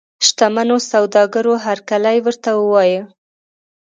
شته منو سوداګرو هرکلی ورته ووایه.